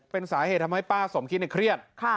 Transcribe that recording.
เป็นสาเหตุทำให้ป้าสมคิดเครียด